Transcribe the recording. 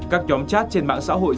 các nhóm chat trên mạng xã hội